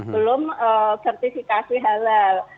belum sertifikasi halal